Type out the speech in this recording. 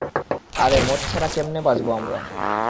আরে, মদ ছাড়া ক্যামনে বাঁচব আমরা?